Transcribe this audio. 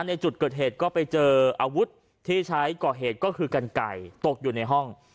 ในจุดเกิดเหตุก็ไปเจออาวุธที่ใช้ก่อเหตุก็คือกันไก่ตกอยู่ในห้อง